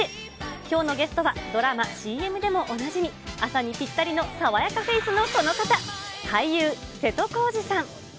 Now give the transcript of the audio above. きょうのゲストは、ドラマ、ＣＭでもおなじみ、朝にぴったりの爽やかフェースのこの方、俳優、瀬戸康史さん。